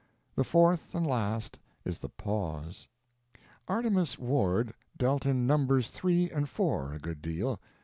The fourth and last is the pause. Artemus Ward dealt in numbers three and four a good deal.